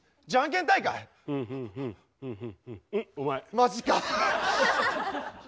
マジか。